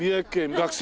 学生？